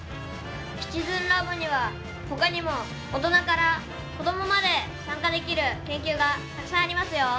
シチズンラボにはほかにも大人から子どもまで参加できる研究がたくさんありますよ。